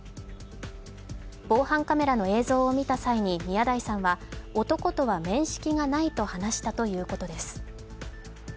防犯カメラの映像を見た際に宮台さんは、男とは面識がないと話したということです。